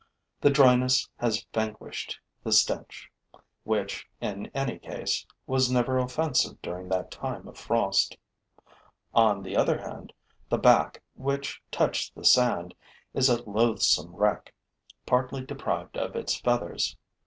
The dryness has vanquished the stench, which, in any case, was never offensive during that time of frost. On the other hand, the back, which touched the sand, is a loathsome wreck, partly deprived of its feathers.